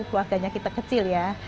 keluarganya kita kecil ya